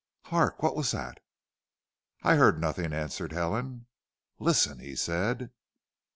"Hark. What was that?" "I heard nothing," answered Helen. "Listen," he said.